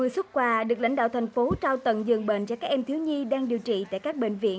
ba trăm năm mươi xuất quà được lãnh đạo thành phố trao tận dường bệnh cho các em thiếu nhi đang điều trị tại các bệnh viện